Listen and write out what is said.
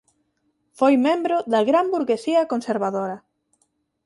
Foi membro da gran burguesía conservadora.